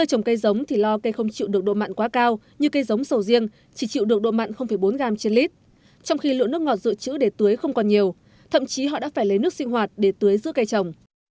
trong khi lượng nước ngọt dựa chữ để tưới không còn nhiều thậm chí họ đã phải lấy nước sinh hoạt để tưới giữa cây trồng